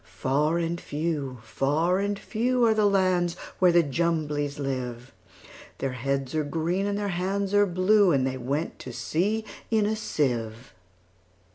Far and few, far and few, Are the lands where the Jumblies live:Their heads are green, and their hands are blue; And they went to sea in a sieve.